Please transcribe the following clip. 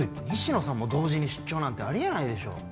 西野さんも同時に出張なんてありえないでしょ